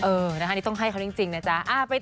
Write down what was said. เออนะคะนี่ต้องให้เขาจริงนะจ๊ะ